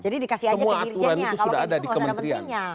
jadi dikasih aja ke dirjennya